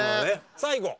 さあいこう！